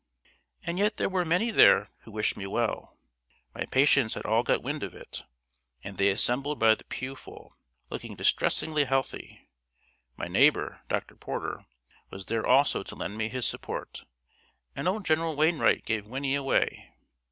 And yet there were many there who wished me well. My patients had all got wind of it; and they assembled by the pew full, looking distressingly healthy. My neighbour, Dr. Porter, was there also to lend me his support, and old General Wainwright gave Winnie away.